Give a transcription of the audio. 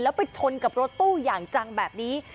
แล้วไปชนกับรถตู้อย่างจังแบบนี้